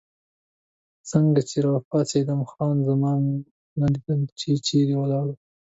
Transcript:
څنګه چې راپاڅېدم، خان زمان مې ونه لیدله، چې چېرې ولاړه.